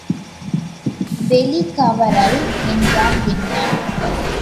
வெளிக்கவரல் என்றால் என்ன?